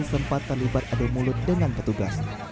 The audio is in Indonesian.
sempat terlibat adu mulut dengan petugas